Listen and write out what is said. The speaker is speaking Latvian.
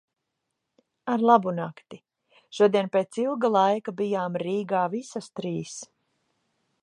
Ar labu nakti. Šodien pēc ilga laika bijām Rīgā visas trīs.